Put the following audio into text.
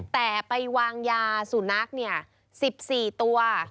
แต่ไปวางยาสูนัก๑๔ตัว